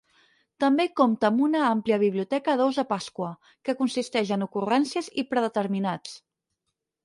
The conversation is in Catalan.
També compta amb una àmplia biblioteca d'ous de pasqua, que consisteix en ocurrències i predeterminats.